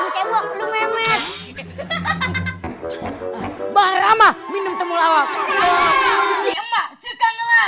siapa minum temulawak